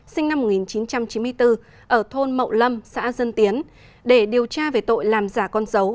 sinh năm một nghìn chín trăm chín mươi bốn ở thôn mậu lâm xã dân tiến để điều tra về tội làm giả con dấu